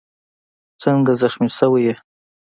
څنګه زخمي شوی یې؟